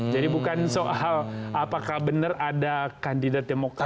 jadi bukan soal apakah benar ada kandidat demokrati